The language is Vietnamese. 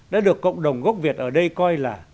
đã được cộng đồng gốc việt ở đây coi là